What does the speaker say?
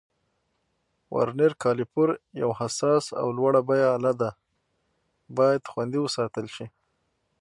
ورنیر کالیپر یو حساس او لوړه بیه آله ده، باید خوندي وساتل شي.